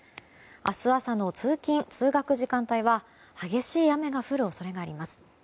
明日朝の通勤・通学時間帯は激しい雨が降る恐れがあります。